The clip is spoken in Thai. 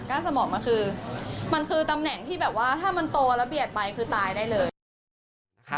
สมองคือมันคือตำแหน่งที่แบบว่าถ้ามันโตแล้วเบียดไปคือตายได้เลย